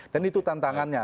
dan itu tantangannya